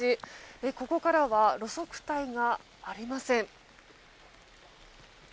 ここからは路側帯がありません。